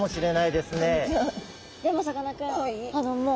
でもさかなクン